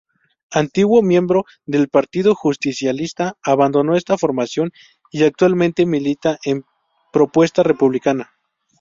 Antiguo miembro del Partido Justicialista, abandonó esta formación y actualmente milita en Propuesta Republicana.